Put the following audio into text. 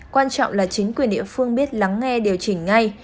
quan trọng là chính quyền địa phương biết lắng nghe điều chỉnh ngay